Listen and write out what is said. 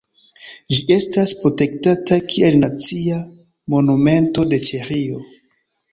Ĝi estas protektata kiel Nacia Monumento de Ĉeĥio.